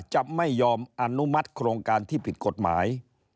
จะไม่ยอมอนุมัติโครงการที่ผิดกฎหมาย